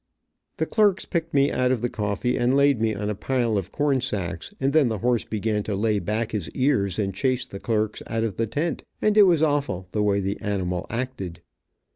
The clerks picked me out of the coffee, and laid me on a pile of corn sacks, and then the horse began to lay back his ears and chase the clerks out of the tent, and it was awful the way the animal acted.